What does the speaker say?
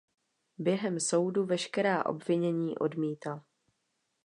Během soudu veškerá obvinění odmítal.